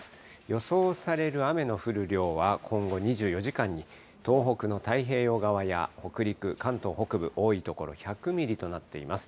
予想される雨の降る量は、今後２４時間に東北の太平洋側や北陸、関東北部、多い所１００ミリとなっています。